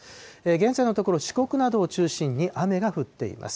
現在のところ、四国などを中心に雨が降っています。